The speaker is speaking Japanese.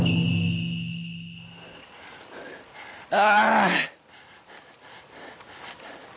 あ。